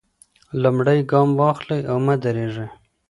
لومړی ګام واخلئ او مه درېږئ.